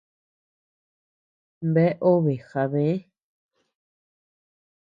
Bea obe jabë